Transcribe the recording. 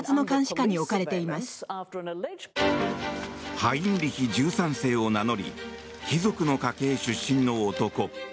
ハインリヒ１３世を名乗り貴族の家系出身の男。